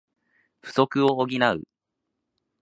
不足を補う